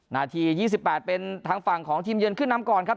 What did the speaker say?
นาที๒๘เป็นทางฝั่งของทีมเยือนขึ้นนำก่อนครับ